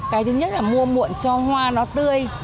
cái thứ nhất là mua muộn cho hoa nó tươi